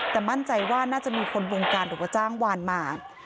แต่มั่นใจว่าน่าจะมีคนวงการหรือว่าจ้างวานมา